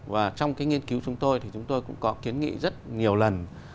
và trong cái nghiên cứu chúng tôi thì chúng tôi cũng có kiến nghị rất nhiều lần